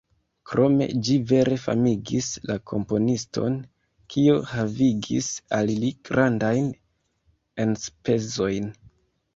Krome ĝi vere famigis la komponiston, kio havigis al li grandajn enspezojn.